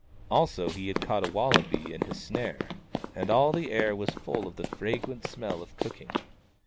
Also he had caught a wallaby in his snare, and all the air was full of the fragrant smell of cooking.